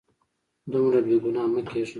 دومره بې ګناه مه کیږه